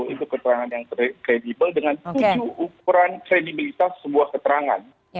itu keterangan yang kredibel dengan tujuh ukuran kredibilitas sebuah keterangan